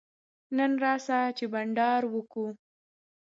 نن راسه چي بانډار وکو.